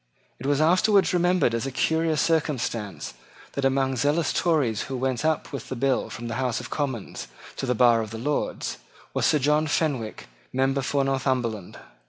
It was afterwards remembered as a curious circumstance that, among zealous Tories who went up with the bill from the House of Commons to the bar of the Lords, was Sir John Fenwick, member for Northumberland.